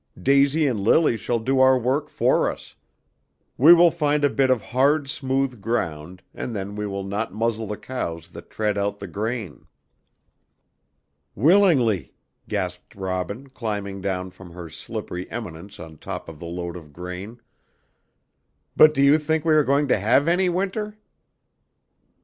Daisy and Lily shall do our work for us. We will find a bit of hard, smooth ground, and then we will not muzzle the cows that tread out the grain." "Willingly," gasped Robin, climbing down from her slippery eminence on top of the load of grain; "but do you think we are going to have any winter?"